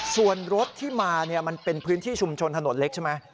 ส่วนรถที่มามันเป็นพื้นที่ชุมชนถนนเล็กใช่ไหม